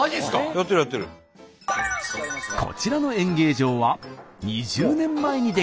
やってるやってる。こちらの演芸場は２０年前に出来たそう。